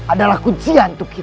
adalah kunci untuk kita